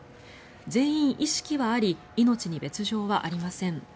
全員、意識はあり命に別条はありません。